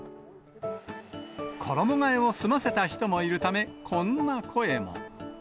衣がえを済ませた人もいるため、こんな声も。